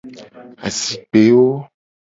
Azikpewo.